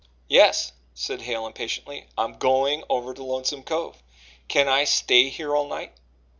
"Yes," said Hale impatiently, "I'm going over to Lonesome Cove. Can I stay here all night?"